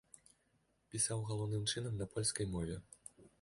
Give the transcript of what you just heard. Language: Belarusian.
Пісаў галоўным чынам на польскай мове.